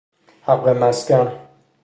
حق مسکن